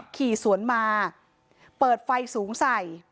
ขี่สวนมาเปิดไฟสูงใส่